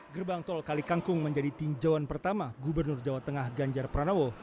gerbang tol kalikangkung menjadi tinjauan pertama gubernur jawa tengah ganjar pranowo